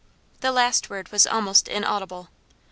The last word was almost inaudible.